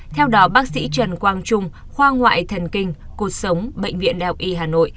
theo đó bác sĩ trần quang trung khoa ngoại thần kinh cuộc sống bệnh viện đạo y hà nội